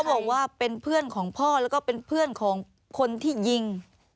บอกว่าเป็นเพื่อนของพ่อแล้วก็เป็นเพื่อนของคนที่ยิง